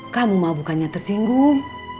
kamu mau bukannya tersinggung